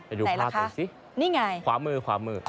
ไปดูภาพกันสินี่ไงขวามือขวามือ